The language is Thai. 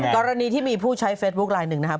กรณีที่มีผู้ใช้เฟซบุ๊คไลน์หนึ่งนะครับ